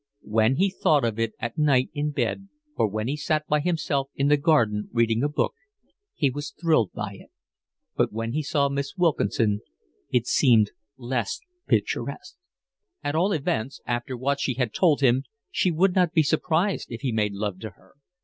When he thought of it at night in bed, or when he sat by himself in the garden reading a book, he was thrilled by it; but when he saw Miss Wilkinson it seemed less picturesque. At all events, after what she had told him, she would not be surprised if he made love to her.